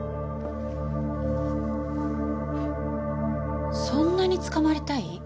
そんなに捕まりたい？